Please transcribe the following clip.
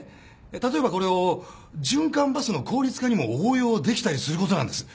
例えばこれを循環バスの効率化にも応用できたりすることなんです。